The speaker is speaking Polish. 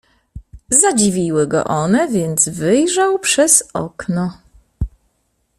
"Zadziwiły go one, więc wyjrzał przez okno."